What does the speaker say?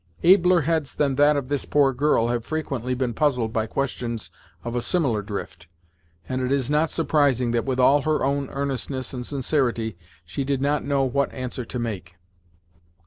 Abler heads than that of this poor girl have frequently been puzzled by questions of a similar drift, and it is not surprising that with all her own earnestness and sincerity she did not know what answer to make.